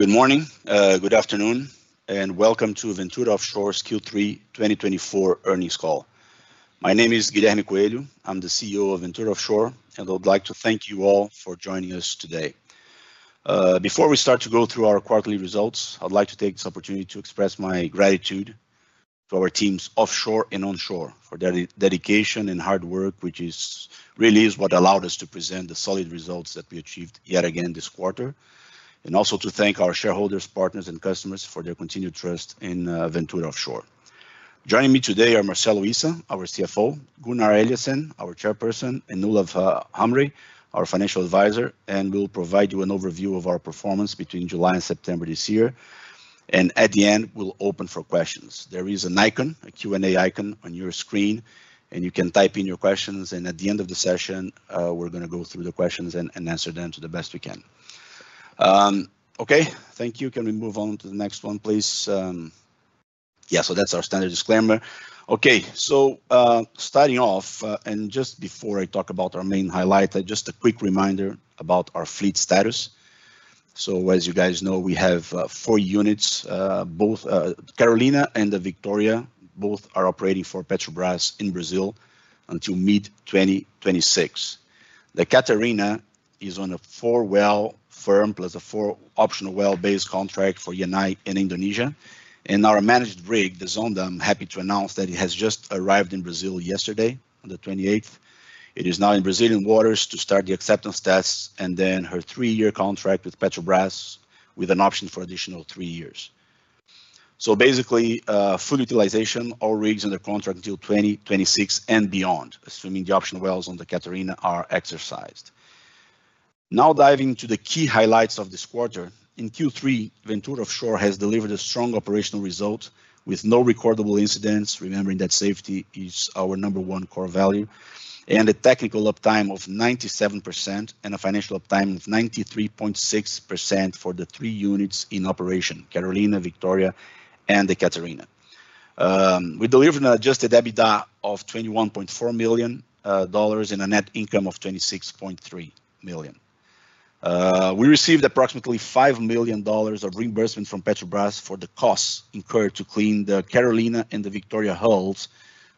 Good morning, good afternoon, and welcome to Ventura Offshore's Q3 2024 Earnings Call. My name is Guilherme Coelho. I'm the CEO of Ventura Offshore, and I would like to thank you all for joining us today. Before we start to go through our quarterly results, I'd like to take this opportunity to express my gratitude to our teams offshore and onshore for their dedication and hard work, which is really what allowed us to present the solid results that we achieved yet again this quarter, and also to thank our shareholders, partners, and customers for their continued trust in Ventura Offshore. Joining me today are Marcelo Issa, our CFO; Gunnar Eliasson, our chairperson; and Olav Hamre, our financial advisor. And we'll provide you an overview of our performance between July and September this year, and at the end, we'll open for questions. There is an icon, a Q&A icon on your screen, and you can type in your questions. And at the end of the session, we're gonna go through the questions and answer them to the best we can. Okay, thank you. Can we move on to the next one, please? Yeah, so that's our standard disclaimer. Okay, so starting off, and just before I talk about our main highlight, just a quick reminder about our fleet status. So, as you guys know, we have four units. Both Carolina and the Victoria are operating for Petrobras in Brazil until mid-2026. The Catarina is on a four-well firm, plus a four-optional well-based contract for Eni in Indonesia. And our managed rig, the Zonda, I'm happy to announce that it has just arrived in Brazil yesterday, on the 28th. It is now in Brazilian waters to start the acceptance tests and then her three-year contract with Petrobras, with an option for additional three years. So basically, full utilization, all rigs under contract until 2026 and beyond, assuming the option wells on the Catarina are exercised. Now diving into the key highlights of this quarter. In Q3, Ventura Offshore has delivered a strong operational result with no recordable incidents, remembering that safety is our number one core value, and a technical uptime of 97% and a financial uptime of 93.6% for the three units in operation: Carolina, Victoria, and the Catarina. We delivered an Adjusted EBITDA of $21.4 million, dollars, and a net income of $26.3 million. We received approximately $5 million of reimbursement from Petrobras for the costs incurred to clean the Carolina and the Victoria hulls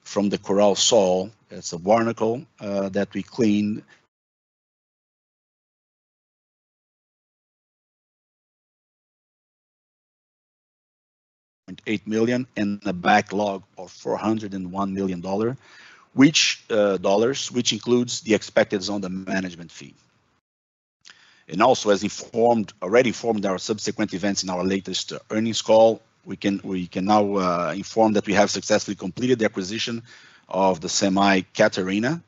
from the sun coral. It's a barnacle, that we cleaned. $8 million and a backlog of $401 million, which includes the expected Zonda management fee. And also, as already informed our subsequent events in our latest earnings call, we can now inform that we have successfully completed the acquisition of the semi-Catarina.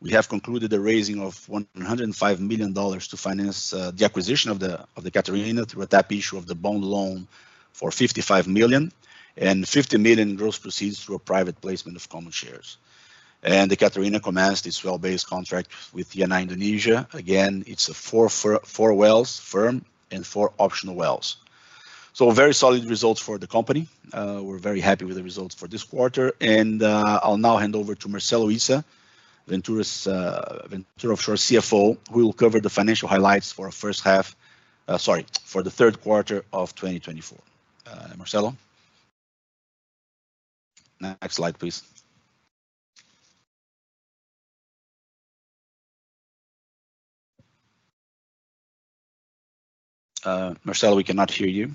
We have concluded the raising of $105 million to finance the acquisition of the Catarina through a tap issue of the bond loan for $55 million, and $50 million gross proceeds through a private placement of common shares. And the Catarina commenced its well-based contract with Eni Indonesia. Again, it's a four-well firm and four-optional wells. So very solid results for the company. We're very happy with the results for this quarter. I'll now hand over to Marcelo Issa, Ventura's, Ventura Offshore CFO, who will cover the financial highlights for the first half, sorry, for the Q3 of 2024. Marcelo? Next slide, please. Marcelo, we cannot hear you.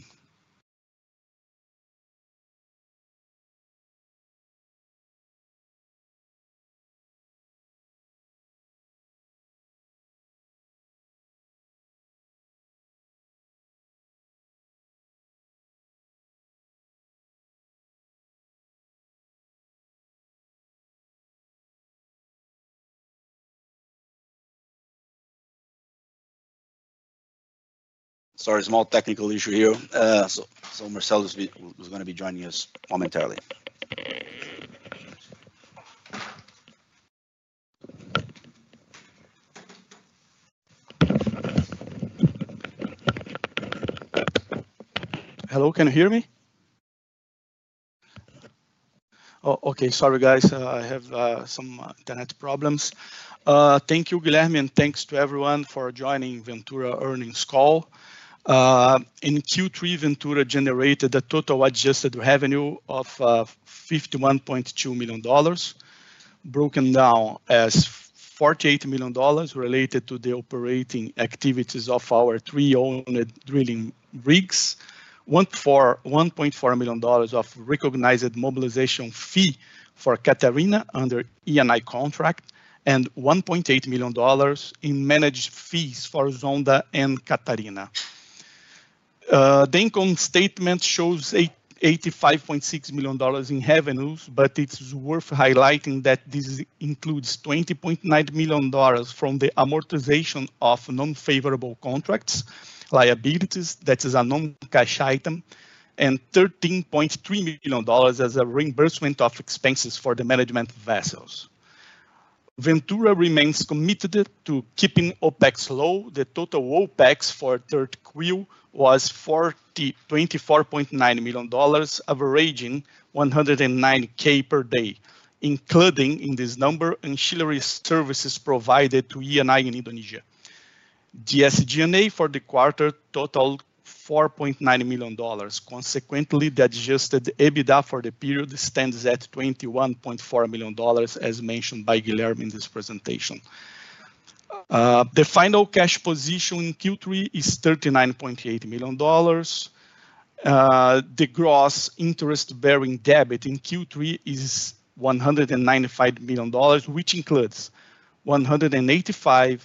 Sorry, small technical issue here. So, Marcelo's gonna be joining us momentarily. Hello, can you hear me? Oh, okay, sorry, guys. I have some internet problems. Thank you, Guilherme, and thanks to everyone for joining Ventura Earnings Call. In Q3, Ventura generated a total adjusted revenue of $51.2 million, broken down as $48 million related to the operating activities of our three-owned drilling rigs, $1.4 million of recognized mobilization fee for Catarina under ENI contract, and $1.8 million in managed fees for Zonda and Catarina. The income statement shows $85.6 million in revenues, but it's worth highlighting that this includes $20.9 million from the amortization of non-favorable contracts, liabilities, that is a non-cash item, and $13.3 million as a reimbursement of expenses for the management vessels. Ventura remains committed to keeping OPEX low. The total OPEX for Q3 was $24.9 million, averaging $109K per day, including in this number, ancillary services provided to ENI in Indonesia. SG&A for the quarter totaled $4.9 million. Consequently, the Adjusted EBITDA for the period stands at $21.4 million, as mentioned by Guilherme in this presentation. The final cash position in Q3 is $39.8 million. The gross interest-bearing debt in Q3 is $195 million, which includes $185 million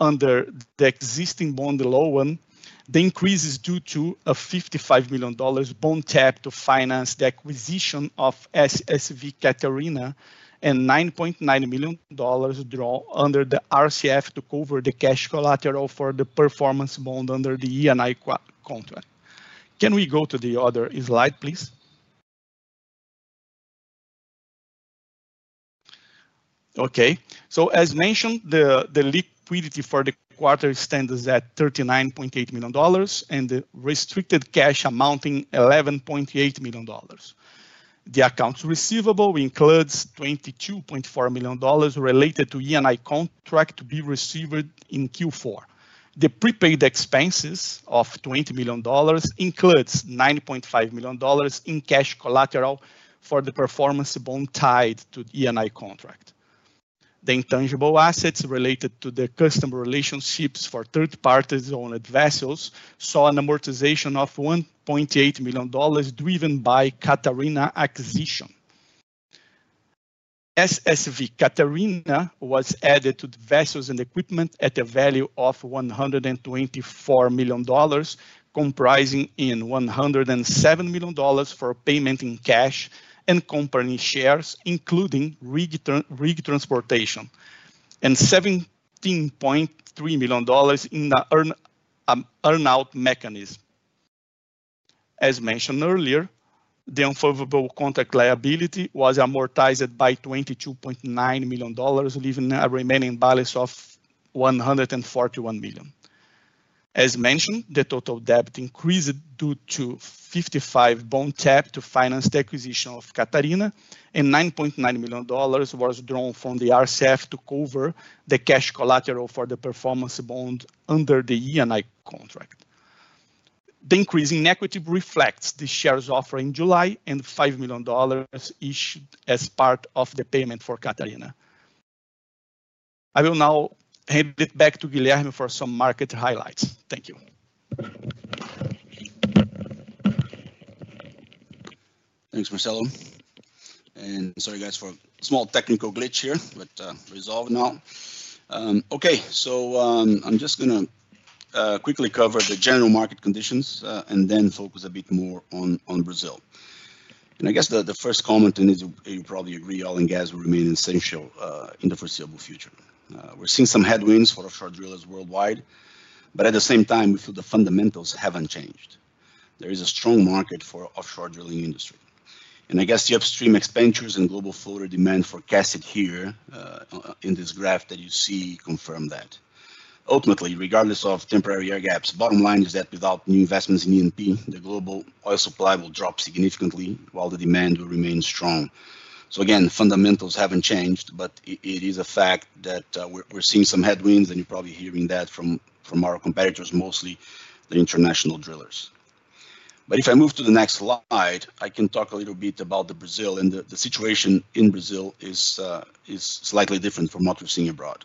under the existing bond loan. The increase is due to a $55 million bond tap to finance the acquisition of SSV Catarina and $9.9 million drawn under the RCF to cover the cash collateral for the performance bond under the ENI contract. Can we go to the other slide, please? Okay. So, as mentioned, the liquidity for the quarter stands at $39.8 million, and the restricted cash amounting to $11.8 million. The accounts receivable includes $22.4 million related to ENI contract to be received in Q4. The prepaid expenses of $20 million include $9.5 million in cash collateral for the performance bond tied to the Eni contract. The intangible assets related to the customer relationships for third-party owned vessels saw an amortization of $1.8 million driven by the Catarina acquisition. SSV Catarina was added to the vessels and equipment at a value of $124 million, comprising $107 million for payment in cash and company shares, including rig transportation, and $17.3 million in the earn-out mechanism. As mentioned earlier, the unfavorable contract liability was amortized by $22.9 million, leaving a remaining balance of $141 million. As mentioned, the total debt increased due to $55 million bond tap to finance the acquisition of Catarina, and $9.9 million was drawn from the RCF to cover the cash collateral for the performance bond under the Eni contract. The increase in equity reflects the shares offered in July and $5 million issued as part of the payment for Catarina. I will now hand it back to Guilherme for some market highlights. Thank you. Thanks, Marcelo. Sorry, guys, for a small technical glitch here, but resolved now. Okay, so I'm just gonna quickly cover the general market conditions, and then focus a bit more on Brazil. I guess the first comment, and you probably agree, oil and gas will remain essential in the foreseeable future. We're seeing some headwinds for offshore drillers worldwide, but at the same time, we feel the fundamentals haven't changed. There is a strong market for the offshore drilling industry. I guess the upstream expenditures and global floater demand forecasted here, in this graph that you see confirm that. Ultimately, regardless of temporary air gaps, the bottom line is that without new investments in E&P, the global oil supply will drop significantly while the demand will remain strong. So again, fundamentals haven't changed, but it is a fact that we're seeing some headwinds, and you're probably hearing that from our competitors, mostly the international drillers. But if I move to the next slide, I can talk a little bit about Brazil, and the situation in Brazil is slightly different from what we're seeing abroad.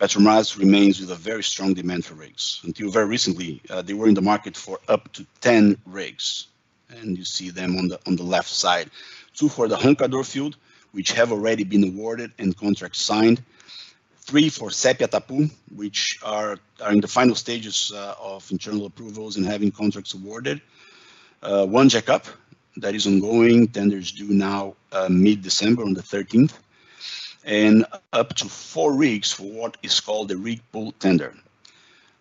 Petrobras remains with a very strong demand for rigs. Until very recently, they were in the market for up to 10 rigs, and you see them on the left side. Two for the Roncador field, which have already been awarded and contracts signed. Three for Sépia Atapu, which are in the final stages of internal approvals and having contracts awarded. One jack-up that is ongoing. Tenders due now, mid-December on the 13th, and up to four rigs for what is called the rig pool tender.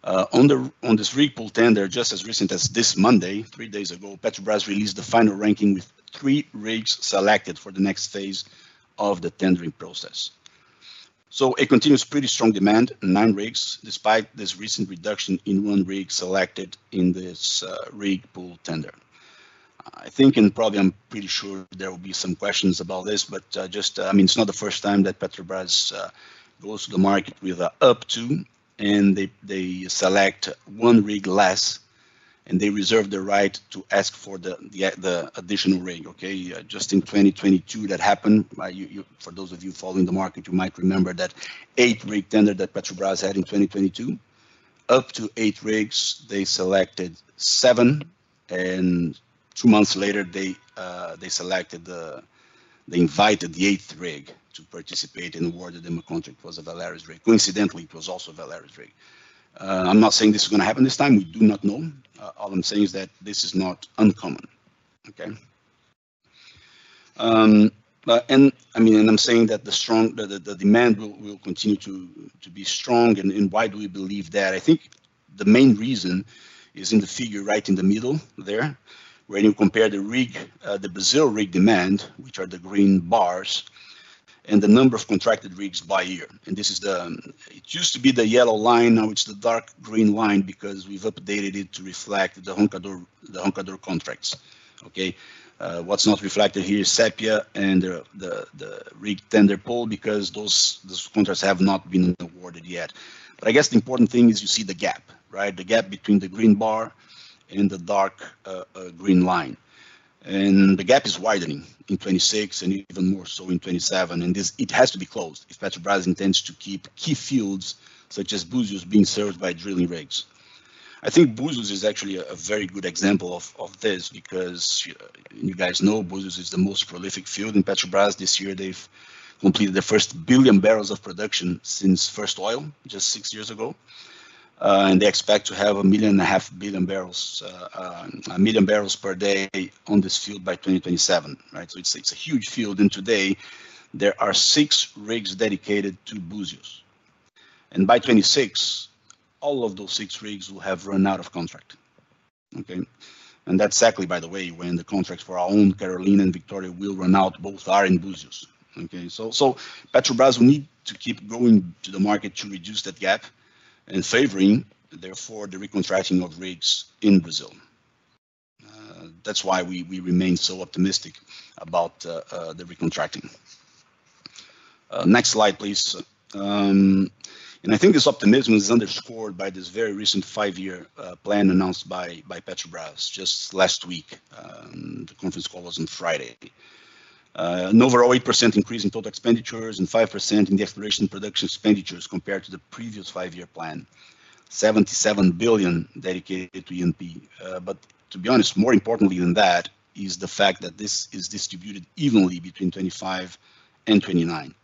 On this rig pool tender, just as recently as this Monday, three days ago, Petrobras released the final ranking with three rigs selected for the next phase of the tendering process. So it continues pretty strong demand, nine rigs, despite this recent reduction in one rig selected in this rig pool tender. I think, and probably I'm pretty sure there will be some questions about this, but just, I mean, it's not the first time that Petrobras goes to the market with up to two, and they select one rig less, and they reserve the right to ask for the additional rig. Okay? Just in 2022, that happened. You, for those of you following the market, you might remember that eight-rig tender that Petrobras had in 2022. Up to eight rigs, they selected seven, and two months later, they selected the eighth rig to participate and awarded them a contract that was a Valaris rig. Coincidentally, it was also a Valaris rig. I'm not saying this is gonna happen this time. We do not know. All I'm saying is that this is not uncommon. Okay? And I mean, I'm saying that the strong demand will continue to be strong. Why do we believe that? I think the main reason is in the figure right in the middle there, where you compare the rig, the Brazil rig demand, which are the green bars, and the number of contracted rigs by year. And this is the. It used to be the yellow line. Now it's the dark green line because we've updated it to reflect the Roncador, the Roncador contracts. Okay? What's not reflected here is Sépia and the rig pool tender because those contracts have not been awarded yet. But I guess the important thing is you see the gap, right? The gap between the green bar and the dark green line. And the gap is widening in 2026 and even more so in 2027. And this, it has to be closed if Petrobras intends to keep key fields such as Búzios being served by drilling rigs. I think Búzios is actually a very good example of this because you guys know Búzios is the most prolific field in Petrobras. This year, they've completed the first billion barrels of production since first oil, just six years ago. They expect to have a million and a half billion barrels, a million barrels per day on this field by 2027, right? So it's, it's a huge field. Today, there are six rigs dedicated to Búzios. By 2026, all of those six rigs will have run out of contract. Okay? That's exactly, by the way, when the contracts for our own Carolina and Victoria will run out. Both are in Búzios. Okay? Petrobras will need to keep going to the market to reduce that gap and favoring, therefore, the re-contracting of rigs in Brazil. That's why we, we remain so optimistic about the re-contracting. Next slide, please. I think this optimism is underscored by this very recent five-year plan announced by Petrobras just last week. The conference call was on Friday. An overall 8% increase in total expenditures and 5% in the exploration production expenditures compared to the previous five-year plan, $77 billion dedicated to E&P. But to be honest, more importantly than that is the fact that this is distributed evenly between 2025 and 2029.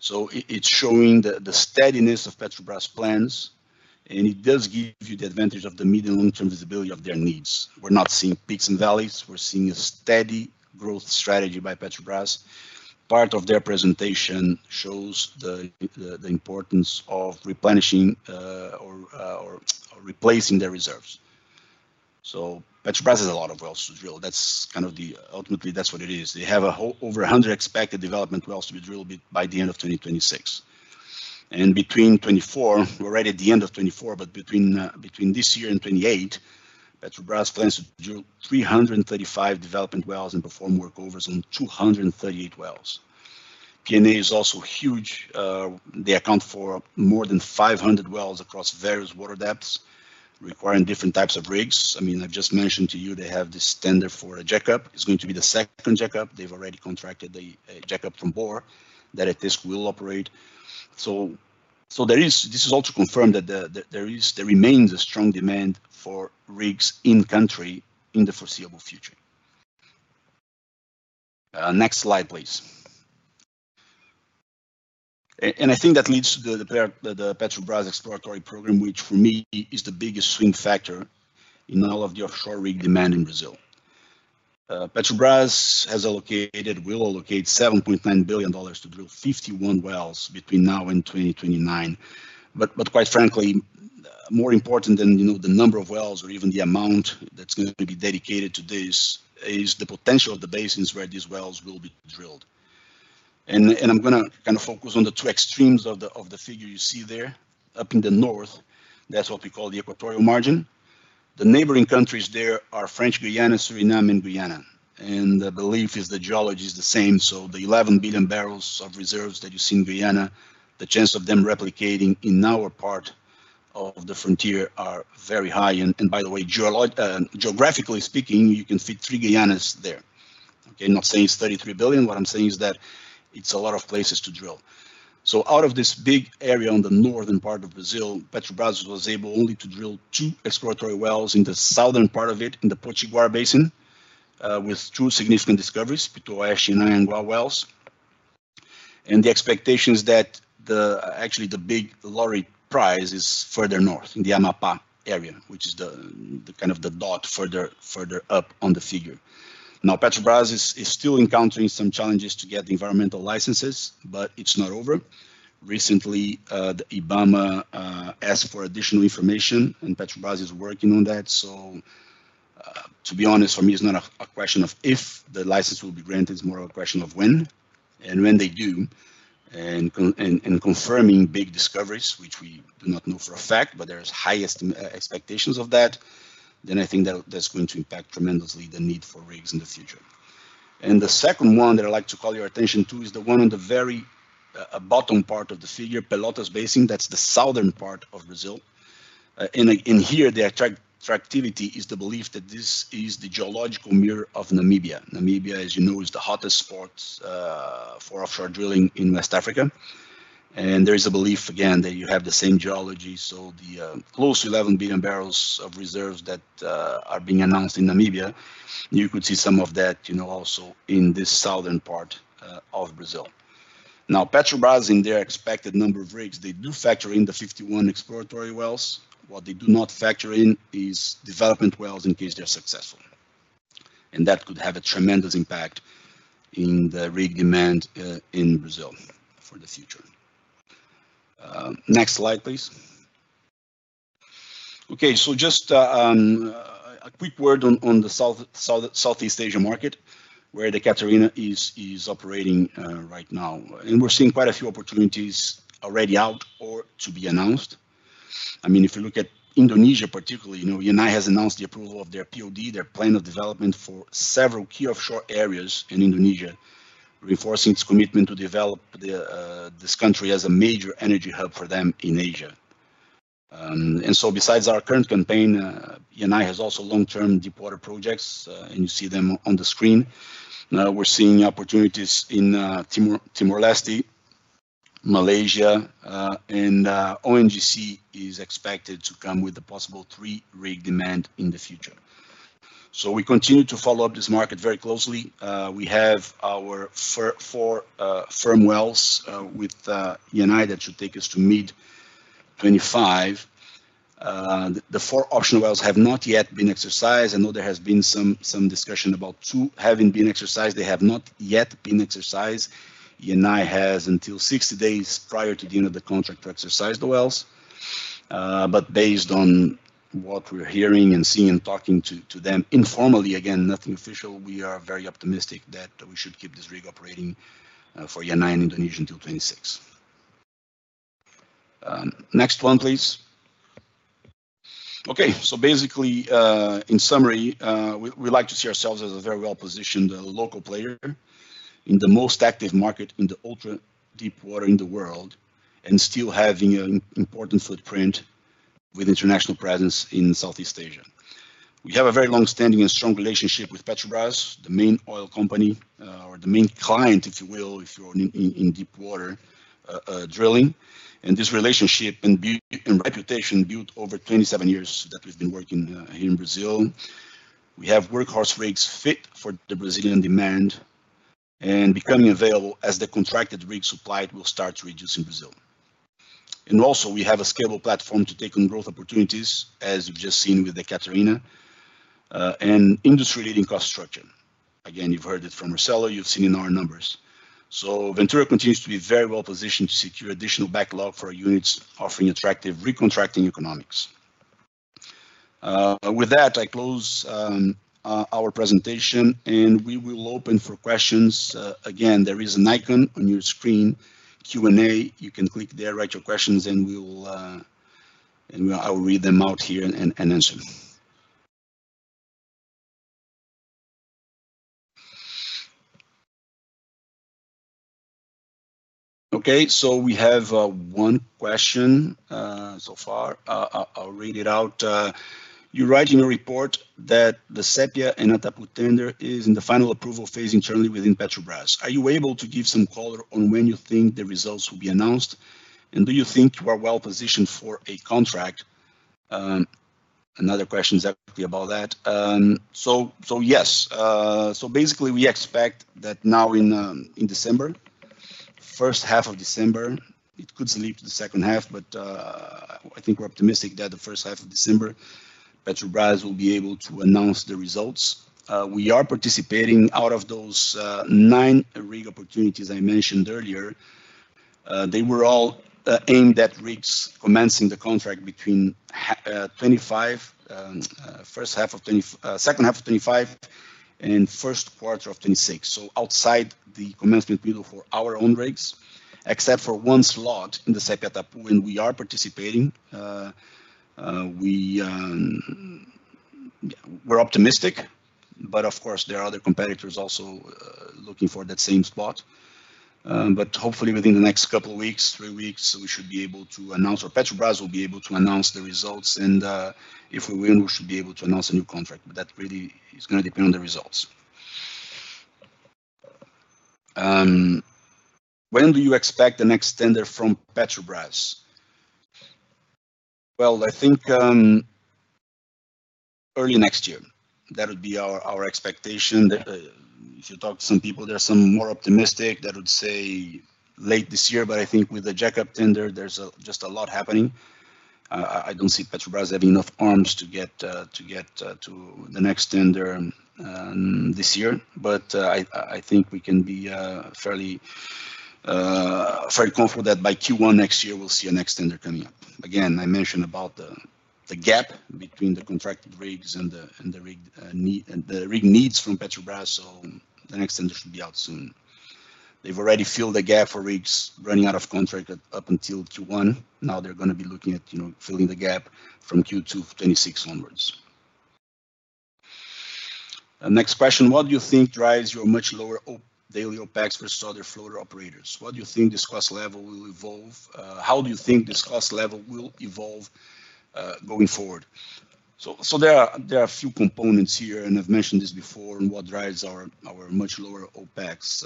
So it's showing the importance of replenishing, or replacing their reserves. Petrobras has a lot of wells to drill. That's kind of the, ultimately, that's what it is. They have a whole, over a hundred expected development wells to be drilled by the end of 2026. And between 2024, we're right at the end of 2024, but between this year and 2028, Petrobras plans to drill 335 development wells and perform workovers on 238 wells. P&A is also huge. They account for more than 500 wells across various water depths requiring different types of rigs. I mean, I've just mentioned to you they have this tender for a jack-up. It's going to be the second jack-up. They've already contracted the jack-up from Borr that this will operate. So there is. This is all to confirm that there remains a strong demand for rigs in country in the foreseeable future. Next slide, please. And I think that leads to the Petrobras Exploratory Program, which for me is the biggest swing factor in all of the offshore rig demand in Brazil. Petrobras has allocated, will allocate $7.9 billion to drill 51 wells between now and 2029. But quite frankly, more important than, you know, the number of wells or even the amount that's gonna be dedicated to this is the potential of the basins where these wells will be drilled. And I'm gonna kind of focus on the two extremes of the, of the figure you see there. Up in the north, that's what we call the Equatorial Margin. The neighboring countries there are French Guiana, Suriname, and Guyana. And I believe the geology is the same. So the 11 billion barrels of reserves that you see in Guyana, the chance of them replicating in our part of the frontier are very high. And by the way, geographically speaking, you can fit three Guyanas there. Okay? Not saying it's 33 billion. What I'm saying is that it's a lot of places to drill. Out of this big area on the northern part of Brazil, Petrobras was able only to drill two exploratory wells in the southern part of it, in the Potiguar Basin, with two significant discoveries, Pitu and Anhangá wells. And the expectation is that, actually, the big lottery prize is further north in the Amapá area, which is the kind of the dot further up on the figure. Now, Petrobras is still encountering some challenges to get the environmental licenses, but it's not over. Recently, the IBAMA asked for additional information, and Petrobras is working on that. To be honest, for me, it's not a question of if the license will be granted. It's more of a question of when. And when they do, confirming big discoveries, which we do not know for a fact, but there's high expectations of that, then I think that that's going to impact tremendously the need for rigs in the future. And the second one that I'd like to call your attention to is the one on the very bottom part of the figure, Pelotas Basin. That's the southern part of Brazil. And here the attractiveness is the belief that this is the geological mirror of Namibia. Namibia, as you know, is the hottest spot for offshore drilling in West Africa. And there is a belief, again, that you have the same geology. So close to 11 billion barrels of reserves that are being announced in Namibia, you could see some of that, you know, also in this southern part of Brazil. Now, Petrobras, in their expected number of rigs, they do factor in the 51 exploratory wells. What they do not factor in is development wells in case they're successful. That could have a tremendous impact in the rig demand, in Brazil for the future. Next slide, please. Okay. Just a quick word on the Southeast Asia market, where the Catarina is operating right now. We're seeing quite a few opportunities already out or to be announced. I mean, if you look at Indonesia particularly, you know, Eni has announced the approval of their POD, their plan of development for several key offshore areas in Indonesia, reinforcing its commitment to develop this country as a major energy hub for them in Asia, and so besides our current campaign, Eni has also long-term deep water projects, and you see them on the screen. We're seeing opportunities in Timor-Leste, Malaysia, and ONGC is expected to come with the possible three-rig demand in the future. So we continue to follow up this market very closely. We have our four firm wells with Eni that should take us to mid-2025. The four optional wells have not yet been exercised. I know there has been some discussion about two having been exercised. They have not yet been exercised. Eni has until 60 days prior to the end of the contract to exercise the wells. But based on what we're hearing and seeing and talking to them informally, again, nothing official, we are very optimistic that we should keep this rig operating for Eni in Indonesia till 2026. Next one, please. Okay. Basically, in summary, we like to see ourselves as a very well-positioned local player in the most active market in the ultra deep water in the world and still having an important footprint with international presence in Southeast Asia. We have a very long-standing and strong relationship with Petrobras, the main oil company, or the main client, if you will, if you're in deep water drilling. And this relationship and reputation built over 27 years that we've been working here in Brazil. We have workhorse rigs fit for the Brazilian demand and becoming available as the contracted rig supply will start to reduce in Brazil. And also, we have a scalable platform to take on growth opportunities, as you've just seen with the Catarina, and industry-leading cost structure. Again, you've heard it from our seller. You've seen in our numbers. Ventura continues to be very well-positioned to secure additional backlog for our units, offering attractive recontracting economics. With that, I close our presentation, and we will open for questions. Again, there is an icon on your screen, Q&A. You can click there, write your questions, and we'll, and I'll read them out here and answer them. Okay. We have one question so far. I'll read it out. You're writing a report that the Sépia and Atapu tender is in the final approval phase internally within Petrobras. Are you able to give some color on when you think the results will be announced? And do you think you are well-positioned for a contract? Another question is actually about that. So, so yes. Basically, we expect that now in December, first half of December, it could slip to the second half, but I think we're optimistic that the first half of December, Petrobras will be able to announce the results. We are participating out of those nine rig opportunities I mentioned earlier. They were all aimed at rigs commencing the contract between 2025, first half of 2025, second half of 2025, and Q1 of 2026. Outside the commencement window for our own rigs, except for one slot in the Sépia Atapu, and we are participating. We're optimistic, but of course, there are other competitors also looking for that same spot. Hopefully within the next couple of weeks, three weeks, we should be able to announce, or Petrobras will be able to announce the results. If we win, we should be able to announce a new contract. But that really is gonna depend on the results. When do you expect the next tender from Petrobras? Well, I think early next year. That would be our expectation. If you talk to some people, they're some more optimistic that would say late this year. But I think with the jack-up tender, there's just a lot happening. I don't see Petrobras having enough arms to get to the next tender this year. But I think we can be fairly comfortable that by Q1 next year, we'll see a next tender coming up. Again, I mentioned about the gap between the contracted rigs and the rig needs from Petrobras. So the next tender should be out soon. They've already filled the gap for rigs running out of contract up until Q1. Now they're gonna be looking at, you know, filling the gap from Q2 of 2026 onwards. Next question. What do you think drives your much lower OP daily OPEX versus other floater operators? What do you think this cost level will evolve? How do you think this cost level will evolve, going forward? So, so there are, there are a few components here, and I've mentioned this before on what drives our, our much lower OPEX.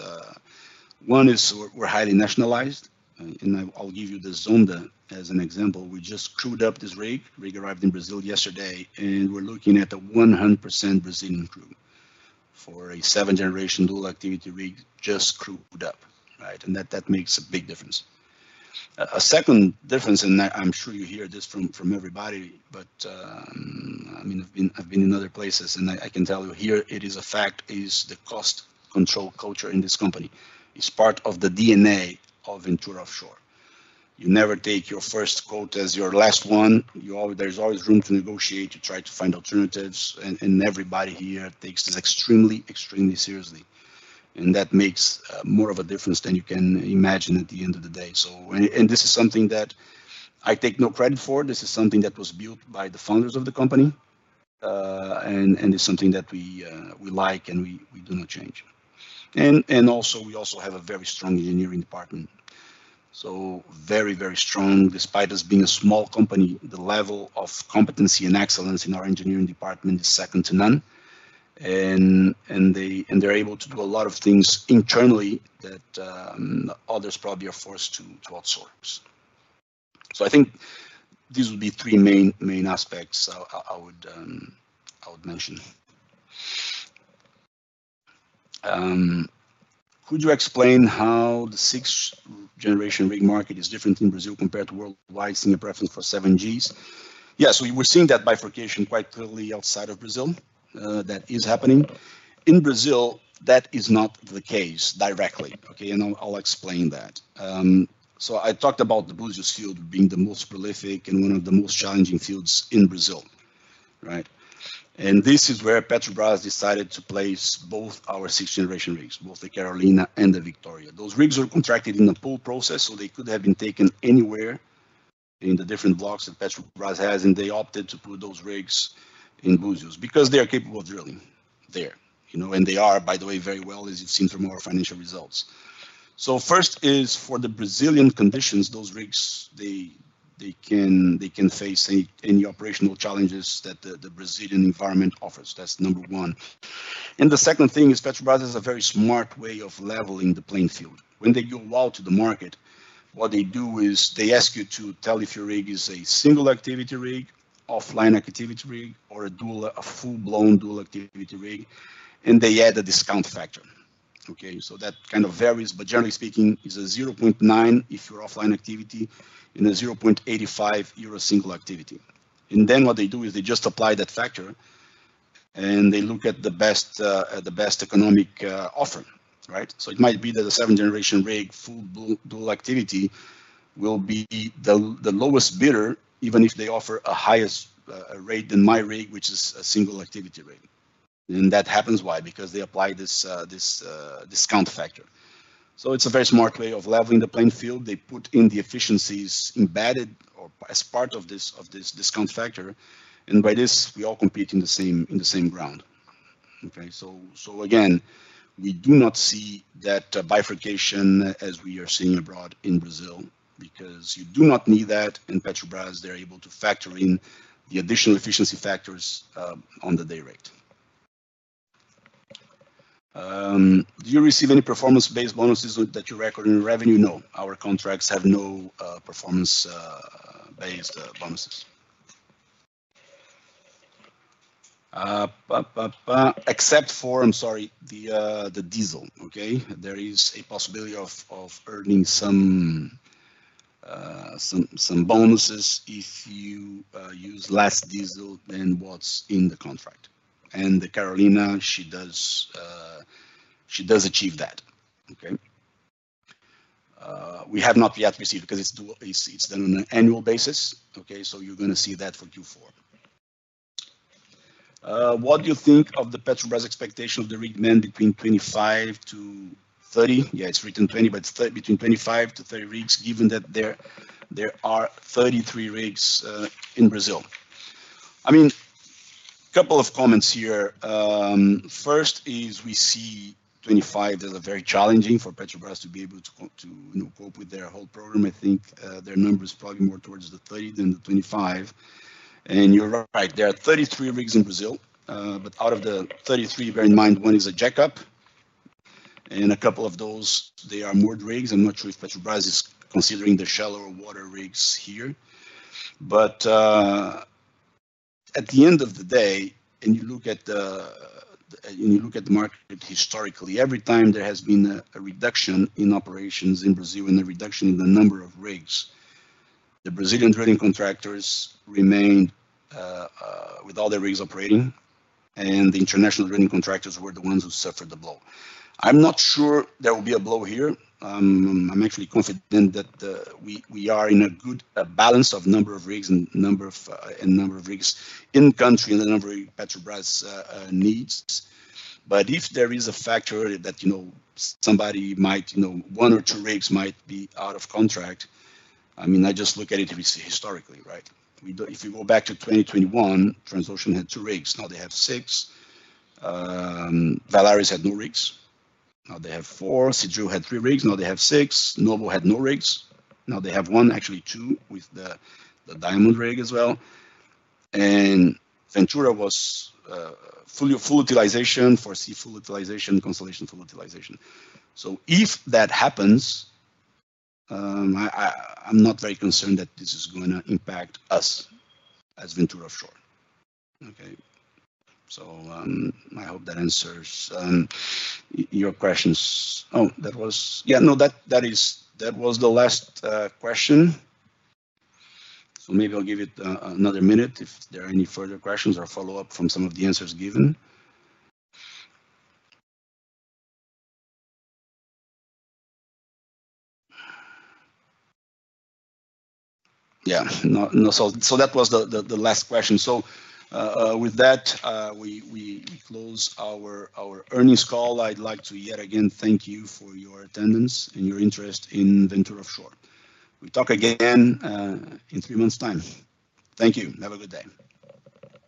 One is we're, we're highly nationalized, and I'll give you the Zonda as an example. We just crewed up this rig. Rig arrived in Brazil yesterday, and we're looking at a 100% Brazilian crew for a 7th-generation dual activity rig just crewed up, right? And that, that makes a big difference. A second difference, and I'm sure you hear this from everybody, but I mean, I've been in other places, and I can tell you here it is a fact the cost control culture in this company is part of the DNA of Ventura Offshore. You never take your first quote as your last one. You always, there's always room to negotiate, to try to find alternatives. And everybody here takes this extremely seriously. And that makes more of a difference than you can imagine at the end of the day. This is something that I take no credit for. This is something that was built by the founders of the company. And it's something that we like and we do not change. And also, we have a very strong engineering department. Very strong. Despite us being a small company, the level of competency and excellence in our engineering department is second to none. And they're able to do a lot of things internally that others probably are forced to outsource. So I think these would be three main aspects I would mention. Could you explain how the six-generation rig market is different in Brazil compared to worldwide seeing a preference for 7Gs? Yeah. So we're seeing that bifurcation quite clearly outside of Brazil, that is happening. In Brazil, that is not the case directly. Okay. And I'll explain that. I talked about the Búzios field being the most prolific and one of the most challenging fields in Brazil, right? And this is where Petrobras decided to place both our six-generation rigs, both the Carolina and the Victoria. Those rigs were contracted in a pool process, so they could have been taken anywhere in the different blocks that Petrobras has. And they opted to put those rigs in Búzios because they are capable of drilling there, you know, and they are, by the way, very well, as you've seen from our financial results. So first is for the Brazilian conditions, those rigs, they, they can, they can face any, any operational challenges that the, the Brazilian environment offers. That's number one. And the second thing is Petrobras has a very smart way of leveling the playing field. When they go out to the market, what they do is they ask you to tell if your rig is a single activity rig, offline activity rig, or a dual, a full-blown dual activity rig, and they add a discount factor. Okay. That kind of varies, but generally speaking, it's a 0.9 if you're offline activity and a 0.85 if you're a single activity. And then what they do is they just apply that factor and they look at the best economic offer, right? So it might be that a 7th-generation rig, full dual activity will be the lowest bidder, even if they offer a higher rate than my rig, which is a single activity rig. And that happens. Why? Because they apply this discount factor. So it's a very smart way of leveling the playing field. They put in the efficiencies embedded or as part of this discount factor. And by this, we all compete in the same ground. Okay. Again, we do not see that bifurcation as we are seeing abroad in Brazil because you do not need that. Petrobras, they're able to factor in the additional efficiency factors on the day rate. Do you receive any performance-based bonuses that you record in revenue? No. Our contracts have no performance-based bonuses, except for, I'm sorry, the diesel. Okay. There is a possibility of earning some bonuses if you use less diesel than what's in the contract. And the Carolina, she does achieve that. Okay. We have not yet received because it's dual. It's done on an annual basis. Okay. You're gonna see that for Q4. What do you think of the Petrobras expectation of the rig demand between 25 to 30? Yeah, it's written 20, but it's 30 between 25 to 30 rigs, given that there are 33 rigs in Brazil. I mean, a couple of comments here. First is we see 25 as a very challenging for Petrobras to be able to, you know, cope with their whole program. I think their number is probably more towards the 30 than the 25. You're right. There are 33 rigs in Brazil. Out of the 33, bear in mind one is a jack-up. And a couple of those, they are moored rigs. I'm not sure if Petrobras is considering the shallower water rigs here. At the end of the day, if you look at the market historically, every time there has been a reduction in operations in Brazil and a reduction in the number of rigs, the Brazilian drilling contractors remained with all their rigs operating. The international drilling contractors were the ones who suffered the blow. I'm not sure there will be a blow here. I'm actually confident that we are in a good balance of number of rigs and number of rigs in country and the number of rigs Petrobras needs. If there is a factor that you know somebody might you know one or two rigs might be out of contract, I mean I just look at it historically, right? We don't, if you go back to 2021, Transocean had two rigs. Now they have six. Valaris had no rigs. Now they have four. Seadrill had three rigs. Now they have six. Noble had no rigs. Now they have one, actually two, with the Diamond rig as well. And Ventura was full utilization, foresee full utilization, Constellation full utilization. So if that happens, I'm not very concerned that this is gonna impact us as Ventura Offshore. Okay. So I hope that answers your questions. Oh, that was. Yeah, no, that, that is, that was the last question. So maybe I'll give it another minute if there are any further questions or follow-up from some of the answers given. Yeah. No, no. So that was the last question. So with that, we close our earnings call. I'd like to yet again thank you for your attendance and your interest in Ventura Offshore. We talk again, in three months' time. Thank you. Have a good day.